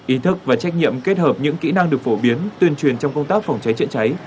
ý thức và trách nhiệm kết hợp những kỹ năng được phổ biến tuyên truyền trong công tác phòng cháy chữa cháy